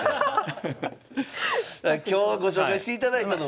今日ご紹介していただいたのは。